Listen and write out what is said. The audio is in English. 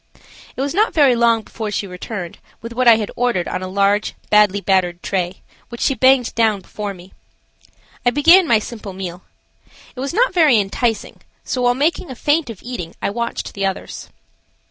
It was not very long before she returned with what I had ordered on a large, badly battered tray, which she banged down before me. I began my simple meal. It was not very enticing, so while making a feint of eating I watched the others.